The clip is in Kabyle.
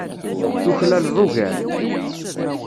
Tuklaleḍ ugar.